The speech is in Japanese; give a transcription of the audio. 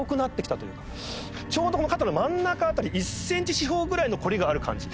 ちょうどこの肩の真ん中辺り１センチ四方ぐらいのこりがある感じ。